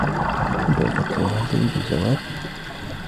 كنت أفكر هل تريد الزواج؟